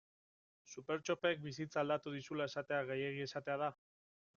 Supertxopek bizitza aldatu dizula esatea gehiegi esatea da?